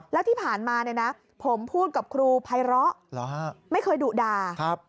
แล้วที่ผ่านมาเนี่ยนะผมพูดกับครูภัยร้อไม่เคยดุด่า